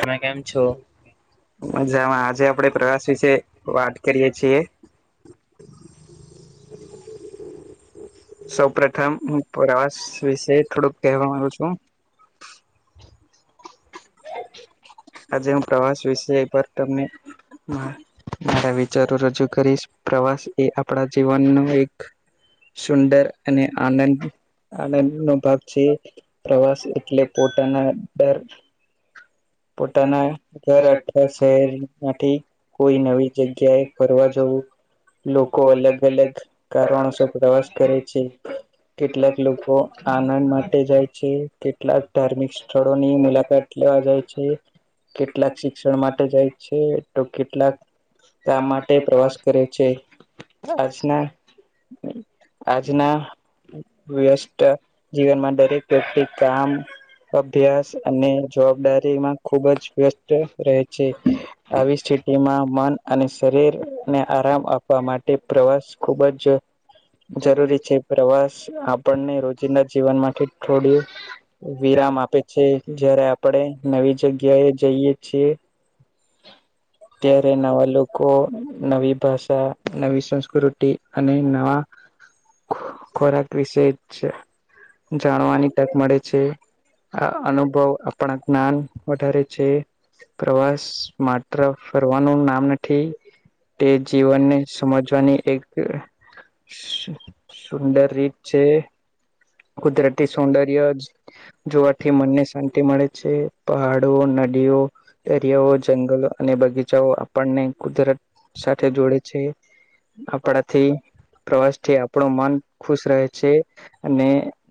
તમે કેમ છો. મજામાં આજે આપડે પ્રવાસ વિશે વાત કરીયે છીએ. સૌ પ્રથમ હું પ્રવાસ વિશે થોડુંક કહેવા માગુ છું. આજે પ્રવાસ વિશે એ પર તમને. હ મારા વિચારો રજૂ કરીશ પ્રવાસ એ આપણા જીવન ન એક. સુંદર અને આનંદ. આનંદ નો ભાગ છે પ્રવાસ એટલે પોતાના ડર. પોતાના ઘર અા શહેર માંથી. કોઈ નવી જગ્યા એ ફરવા જવું. લોકો અલગ અલગ કારણોસ પ્રવાસ કરે છે. કેટલાક લોકો આનંદ માટે જાય છે કેટલાક ધાર્મિક સ્થળોની મુલાકાત. લેવા જાય છે કેટલાક શિક્ષણ માટે જાય છે તો કેટલાક. આ માટે પ્રવાસ કરે છે આજના. આજના વ્યસ્ત જીવનમાં દરેક વ્યક્તિ કામ. અભ્યાસ અને જવાબદારીમાં ખુબ જ વ્યસ્ત રહે છે. આવી સ્થિતિતિમાં મન અને શરીરને આરામ આપવા માટે પ્રવાસ ખુબ જ. જરૂરી છે. પ્રવાસ આપણને રોજિંદા જીવન માટેથી થોડી વિરામ આપે. છે જયારે આપણેે નવી જગ્યા એ જઈયએ છીએ. તરે નવલું. નવી ભાષા નવી સંસ્કૃતિ અને નવા. ખોરાક વિશે જ જાણવાની તક મળે છે. આ અનુભવ આપણા જ્ઞાન વધારે છે પ્રવાસ માટે. ફરવાનું નામ નથી તે જીવનને સમજવાની એક. સુંદર રીત છે કુદરતી સૌંદર્ય જ. જોવાથી મનને શાંતિ મળે છે, પહાડો નદીઓ દરિયાઓ જંગલો અને બગીચાઓ આપણને કુદરત સાથે જોડે છે. આપડાથી પ્રવાસથી આપણું મન ખુશ રહે છે. અને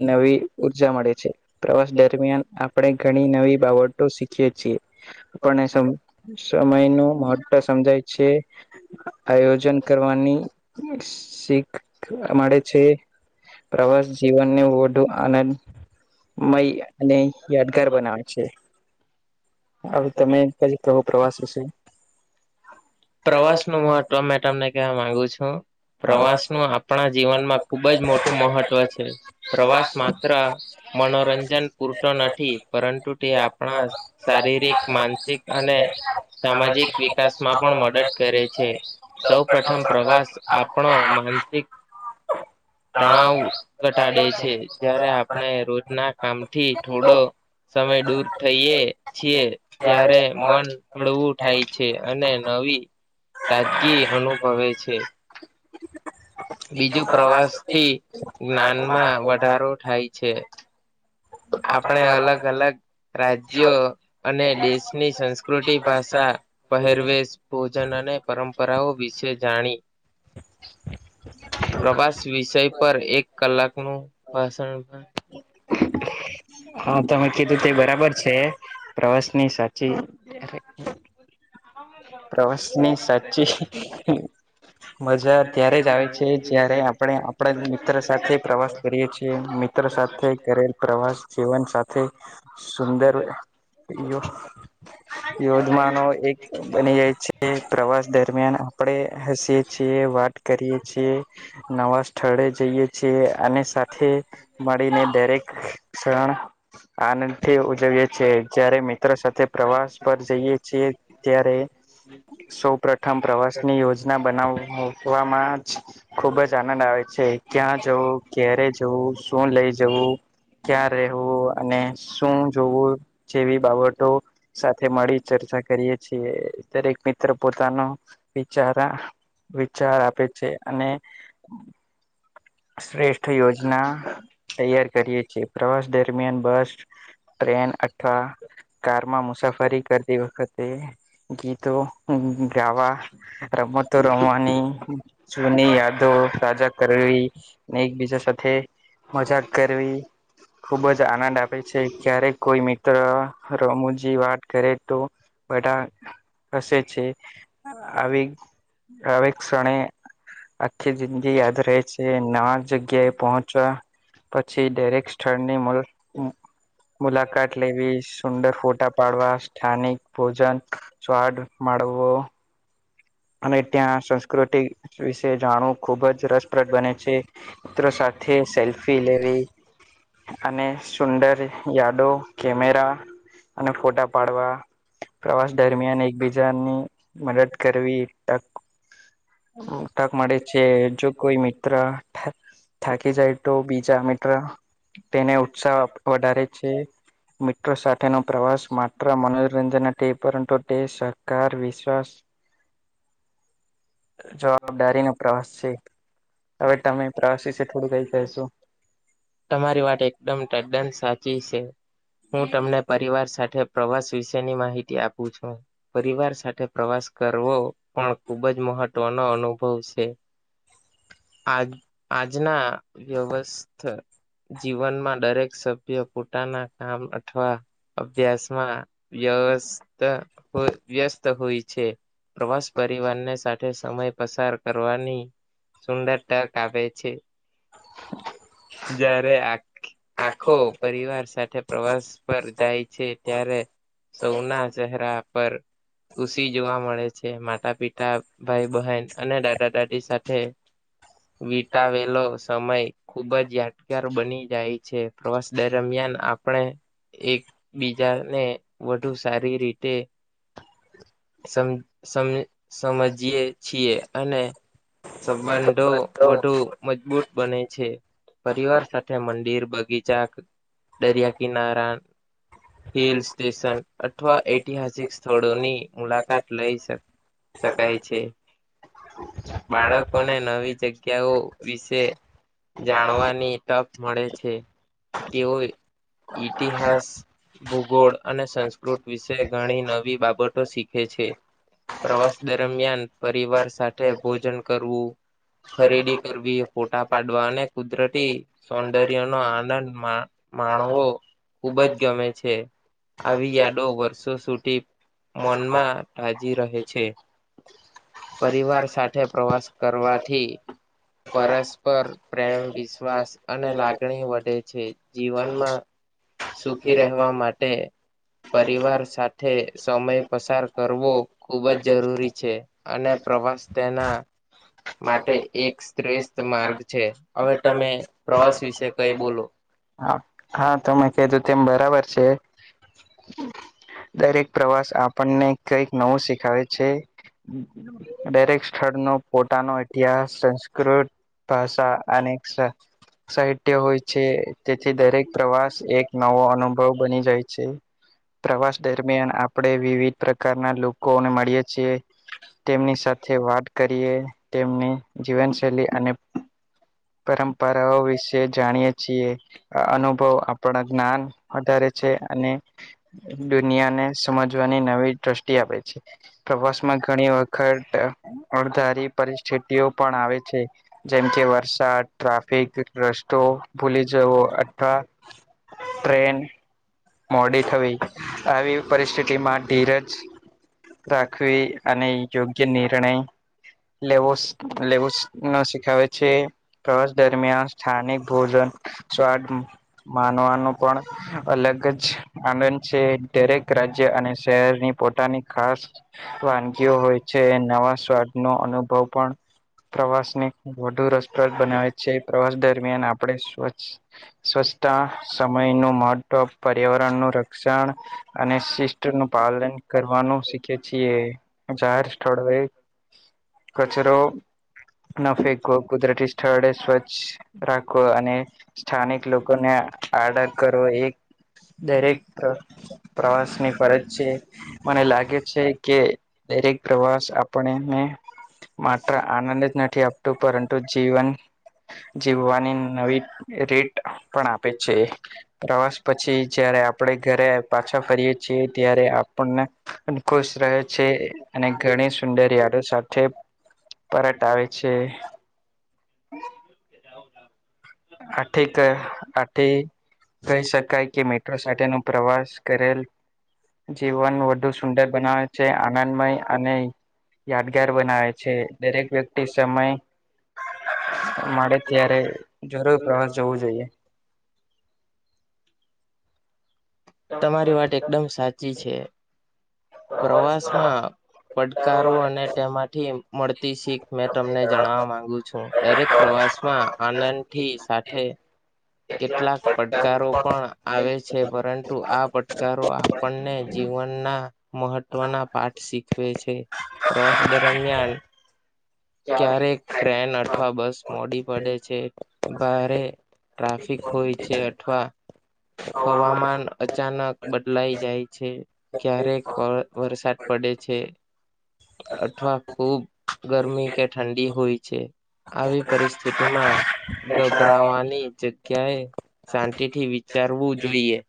નવી ઉર્જા મળે છે. પ્રવાસ દરમિયાન આપણે ઘણી નવી બાબતો શીખીએ છીએ પણ સ સમય નું મહત્વ સમજાય છે. આયોજન કરવાની શીખ મળે છે. પ્રવાસ જીવનને ઓઢું અને મય અને યાદગાર બનાવે છે. હવે તમે તો પ્રવાસ વિશે પ્રવાસ નું મહત્વ મેં તમને ક્હેવા માંગુ છું. પ્રવાસનું આપણા જીવનમાં ખુબ જ મોટું મહત્વ છે, પ્રવાસ માત્ર મનોરંજન પૂરતો નથી, પરંતુ તે આપણા શારીરિક, માનસિક અને સામાજિક વિકાસમાં પણ મદદ કરે છે, સૌ પ્રથમ પ્રવાસ આપણો માનસિક તણાવ ઘટાડે છે, જ્યારે આપણે રોજના કામ થી થોડો સમય દૂર થઈએ છીએ ત્યારે મન હળવું થાય છે અને નવી તાજગી અનુભવે છે. બીજું પ્રવાસ થી જ્ઞાનમાં વધારો થાય છે. આપણે અલગ-અલગ રાજ્યો અને દેશની સંસ્કૃતિ ભાષા પહેરવેશ, ભોજન અને પરંપરાઓ વિશે જાણી. પ્રવાસ વિષય પર એક કલાકનું ભાષણ હા, તમે કીધું તે બરાબર છે. પ્રવાસ ની સાચી હ. પ્રવાસની સાચી મજા ત્યારે જ આવે છે, જયારે આપણે આપડા મિત્ર સાથે પ્રવાસ કરીએ છીએ. અને સાથે કરેલ પ્રવાસ જીવન સાથે સુંદર યોધમાં નો એક બની જાય છે. પ્રવાસ દરમિયાન આપડે હસીએ છીએ, વાત કરીએ છીએ, નવા સ્થળે જઈએ છે અને સાથે મળીને દરેક શણ આનંદથી ઉજવીએ છીએ, જયારે મિત્રો સાથે પ્રવાસ પર જઈએ છીએ સૌ પ્રથમ પ્રવાસ ની યોજના બનાવવામાં જ ખુબ જ આનંદ આવે છે. ક્યાં જવું, ક્યારે જવું, શું લઈ જવું ક્યાં રહેવું અને શું જોવું જેવી બાબતો સાથે મળી ચર્ચા કરીએ છીએ. દરેક મિત્ર પોતાનો વિચાર વિચાર આપે છે અને શ્રેષ્ઠ યોજના તૈયાર કરીએે છે. એ પ્રવાસ દરમિયાન બસ ટ્રેન અથવા કારમાં મુસાફરી કરતી વખતે ગીતો ગાવા, રમતો રમવાની જૂની યાદો તાજા કરવી એકબીજા સાથે મજાક કરવી ખુબ જ આનંદ આપે છે. ક્યારેક કોઈ મિત્ર રમુજી વાત કરે તો બધા હસે છે. આવી આવી ક્ષણે આખી જિંદગી યાદ રહે છે. તે નવા જગ્યાએ પહોંચવા પછી દરેક સ્થળની મૂલ મુલાકાત લેવી, સુંદર ફોટા પાડવા, સ્થાનિક ભોજન સ્વાડ માળવું અને ત્યાં સંસ્કૃતિ વિશે જાણવું ખુબ જ રસપ્રદ બને છે. મિત્રો સાથે સેલ્ફી લેવી અને સુંદર યાદો, કેમેરા અને ફોટા પાડવા. પ્રવાસ દરમિયાન એકબીજાની મદદ કરવી. તકવુ. ટક મળે છે. જો કોઈ મિત્ર થાક થાકી જાય તો બીજા મિત્ર તેને ઉત્સાહ વધારે છે. મિતટ્રો સાથેનો પ્રવાસ માત્ર મનોરંજન નથી, પરંતુ તે કાર વિશ્વાસ જવાબદારી ન પ્રવાસ છે. હવે તમે પ્રવાસ વિશે થોડીું કઈ કહેશો તમારી વાત એકદમ તદ્દન સાચી છે. હું તમને પરિવાર સાથે પ્રવાસ વિશેની માહિતી આપ પુછો પરિવાર સાથે પ્રવાસ કરવો પણ ખુબ જ મહત્ તોનો અનુભવ સે. આજ આજના વ્યવસ્થ જીવનમાં દરેક સભ્ય પોતાના કામ અથવા અભ્યાસમાં વ્યસ્ત વ્યસ્ત હોય છે. પ્રવાસ પરિવારને સાથે સમય પસાર કરવાની સુંદર તક આપે છે. જ્યારે આખ આખો પરિવાર સાથે પ્રવાસ પર જાય છે. ત્યારે સૌના ચહેરા પર ખુશી જોવા મળે છે. માતા-પિતા ભાઈ-બહેન અને દાદા-દાદી સાથે વીટાવેલો સમય ખુબ જ યાદગાર બની જાય છે. પ્રવાસ દરમિયાન આપણે એકબીજાને વધુ સારી રીતે સમ સમ સમજીએ છીએ અને સંબંધો વધુ મજબૂત બને છે. પરિવાર સાથે મંદિર, બગીચા, દરિયા કિનારા, તો હિલ સ્ટેશન અથવા ઐતિહાસિક સ્થળોની મુલાકાત લઈ શ શકાય છે. બાળકોને નવી જગ્યાઓ વિશે જાણવાની તક મળે છે. તેઓ ઇતિહાસ ભૂગોળ અને સંસ્કૃત વિશે ઘણી નવી બાબતો શીખે છે. પ્રવાસ દરમિયાન પરિવાર સાથે ભોજન કરવું. ખરીદી કરવી, ફોટા પાડવા અને કુદરતી સૌંદર્ય નો આનંદ માણવો ખુબ જ ગમે છે. આવી યાદો વર્ષો સુધી મનમાં રાજી રહે છે. પરિવાર સાથે પ્રવાસ કરવાથી પરસ્પર પ્રેમ, વિશ્વાસ અને લાગણી વધે છે. જીવનમાં સુખી રહેવા માટે પરિવાર સાથે સમય પસાર કરવો ખુબ જ જરૂરી છે. અને પ્રવાસ તેના માટે એક શ્રેષ્ઠ માર્ગ છે હવે તમે પ્રવાસ વિશે કઈ બોલો. હા! તમે કેધું તેમ બરાબર છે. દરેક પ્રવાસ આપણને કઈક નવુ શીખાવે છે. દરેક સ્થળ નો પોતાનો ઇતિહાસ સંસ્કૃત ભાષા અનેક સહ સાહિત્ય હોય છે. તેથી દરેક પ્રવાસ એક નવો અનુભવ બની જાય છે. પ્રવાસ દરમિયાન આપણેે વિવિધ પ્રકારના લોકોને મળીએ છીએ. તેમની સાથે વાત કરીએ, તેમની જીવનશૈલી અને પરંપરાઓ વિશે જાણીએ છીએ અનુભવ આપણા જ્ઞાન વધારે છે અને દુનિયા ને સમજવાની નવી દ્રષ્ટિ આપે છે પ્રવાસ માં ઘણી વખત અણધારી પરિસ્થિતિઓ પણ આવે છે જેમ કે વરસાદ ટ્રાફિક રસ્તો ભૂલી જવો અથવા ટ્રેન મોડી થવી આવી પરિસ્થિતિમાં ધીરજ રાખવી અને યોગ્ય નિર્ણય લેવો લેવો ન શીખાવે છે પ્રવાસ દરમિયાન સ્થાનિક ભોજન સ્વાદ માનવાનું પણ અલગ જ આનંદ છે દરેક રાજ્ય અને શહેરની પોતાની ખાસ વાનગીઓ હોય છે નવા સ્વાદ નો અનુભવ પણ પ્રવાસ ને ખ વધુ રસપ્રદ બનાવે છે એ પ્રવાસ દરમિયાન આપણે સ્વચ્છ સ્વચ્છતા સમય નું મહત્વ પર્યાવરણ નું ર શિક્ષણ અને શિષ નું પાલન કરવાનું શીખે છીએ જાહેર છોડ કચરો ન ફેંકવો કુદરતી સ્થળે સ્વચ્છ રાખવો અને સ્થાનિક લોકોને આર્ડર કરો એક દરેક પ્રવાસ ની ફરજ છે મને લાગે છે કે દરેક પ્રવાસ આપણેને માત્ર આનંદ જ નથી આપતું પરંતુ જીવન જીવવાની નવી રેટ પણ આપે છે પ્રવાસ પછી જયારે આપણે ઘરે પાછા ફરીયએ છીએ ત્યારે આપણને ખુશ રહે છે અને ઘણી સુંદર યળો સાથે પરત આવે છે [unintelligible] આથી આથી કહી શકાય કે મેટ્રો સાથેનું પ્રવાસ કરેલ જીવન વધુ સુંદર બનાવે છે આનંદમય અને યાદગાર બનાવે છે દરેક વ્યક્તિ સમય મળે ત્યારે જરો પ્રવાસ જવું જોઈએ તમારી વાત એકદમ સાચી છે પ્રવાસ માં પડકારો અને તેમાં થી મળતી શીખ મેં તમને જણવા માંગુ છું દરેક પ્રવાસ માં આનંદ સાથે કેટલાક પડકારો પણ આવે છે પરંતુ આ પડકારો આપણને જીવનના મહત્વના પાઠ શીખવે છે પ્રવાસ દરમિયાન ક્યારેક ટ્રેન અથવા બસ મોડી પડે છે ભારે ટ્રાફિક હોય છે અથવા હવામાન અચાનક બદલાઈ જાય છે ક્યારેક વરસાદ પડે છે અથવા ખુબ ગરમી કે ઠંડી હોય છે આવી પરિસ્થિતિમાં ગભરાવાની જગ્યાએ શાંતિ થી વિચારવું જોઈએ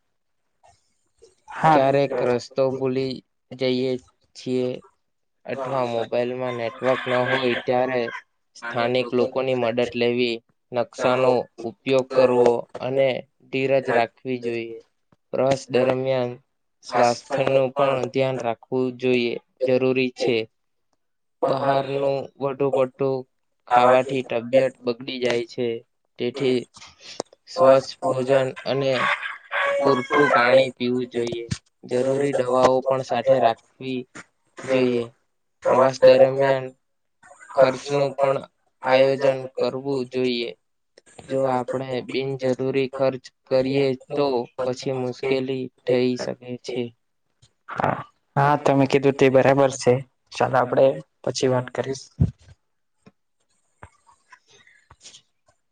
ક્યારેક રસ્તો ભૂલી જઈએ છીએ અથવા મોબાઈલમાં નેટવર્ક ન હોય ત્યારે સ્થાનિક લોકોની મદદ લેવી નકશાનો ઉપયોગ કરવો અને ધીરજ રાખવી જોઈએ રસ દરમિયાન સ્વાસ્થ્ય નું પણ ધ્યાન રાખવું જોઈએ જરૂરી છે બહારનું વધુ પડટું ખાવાથી તબિયત ઉડી જાય છે તેથી સ્વચ્છ ભોજન અને પૂરતું પાણી પીવું જોઈએ જરૂરી દવાઓ પણ સાથે રાખવી જોઈએ પ્રવાસ દરમિયાન ખર્ચ નું પણ આયોજન કરવું જોઈએ જો આપણેે બિનજરૂરી ખર્ચ કરીએ તો પછી મુશ્કેલી થઈ શકે છે હા હા તમે કીધું તે બરાબર છે ચાલો આપડે પછી વાત કરીશ [inaudible] [inaudible]